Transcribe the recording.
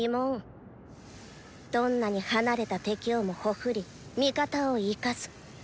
どんなに離れた敵をも屠り味方を生かす。